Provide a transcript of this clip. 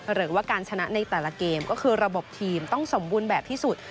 หรือว่าการชนะในแต่ละเกมก็คือระบบทีมต้องสมบูรณ์แบบที่สุด